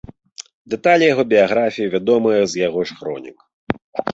Дэталі яго біяграфіі вядомыя з яго ж хронік.